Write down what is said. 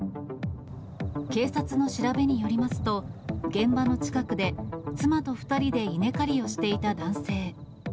警察の調べによりますと、現場の近くで妻と２人で稲刈りをしていた男性。